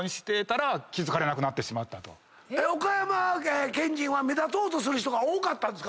岡山県人は目立とうとする人が多かったんですか？